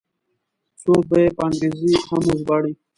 څوک به یې په انګریزي هم وژباړي.